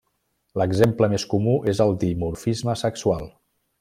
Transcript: L'exemple més comú és el dimorfisme sexual.